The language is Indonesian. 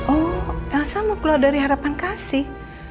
oh elsa mau keluar dari harapan kasih